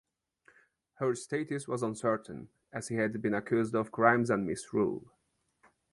Her status was uncertain, as she had been accused of crimes and misrule.